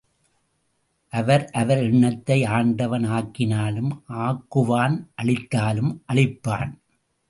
அவர் அவர் எண்ணத்தை ஆண்டவன் ஆக்கினாலும் ஆக்குவான் அழித்தாலும் அழிப்பான்.